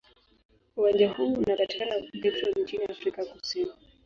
Uwanja huu unapatikana huko Cape Town nchini Afrika Kusini.